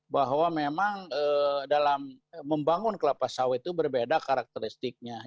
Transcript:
bahwa memang dalam membangun kelapa sawit itu berbeda karakteristiknya